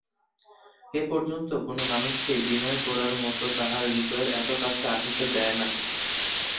এ পর্যন্ত কোনো মানুষকেই বিনয় গোরার মতো তাহার হৃদয়ের এত কাছে আসিতে দেয় নাই।